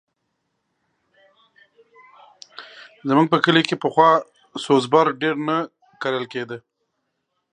زموږ په کلي کښې پخوا سوز بر ډېر نه کرل کېدی.